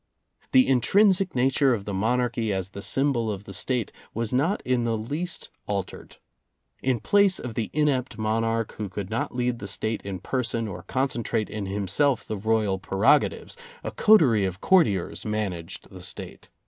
The intrinsic nature of the monarchy as the symbol of the State was not in the least al [i 9 8] tered. In place of the inept monarch who could not lead the State in person or concentrate in him self the royal prerogatives, a coterie of courtiers managed the State.